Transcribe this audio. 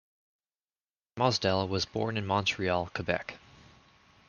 Mosdell was born in Montreal, Quebec.